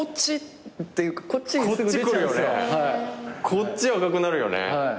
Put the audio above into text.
こっち赤くなるよね。